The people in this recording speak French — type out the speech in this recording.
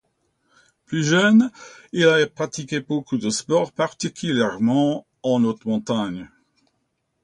Plus jeune, il a pratiqué beaucoup de sports particulièrement en haute montagne.